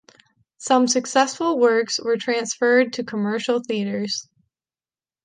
Some successful works were transferred to commercial theaters.